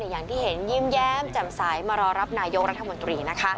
อย่างที่เห็นยิ้มแย้มแจ่มใสมารอรับนายกรัฐมนตรี